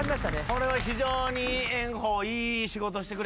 これは非常に炎鵬。